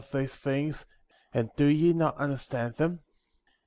these things, and do ye not understand them